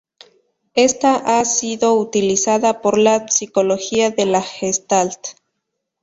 Ésta ha sido utilizada por la Psicología de la Gestalt.